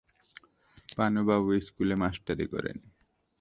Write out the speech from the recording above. পানুবাবু ইস্কুলে মাস্টারি করেন।